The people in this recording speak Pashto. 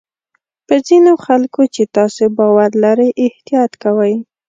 په ځینو خلکو چې تاسو باور لرئ احتیاط کوئ.